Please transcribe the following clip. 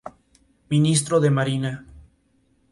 Ministro de Marina.